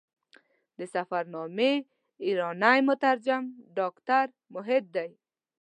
د سفرنامې ایرانی مترجم ډاکټر موحد دی.